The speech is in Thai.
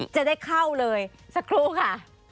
จะได้เข้าเลยสักครู่ค่ะ